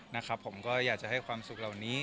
นะครับผมก็อยากจะให้ความสุขเหล่านี้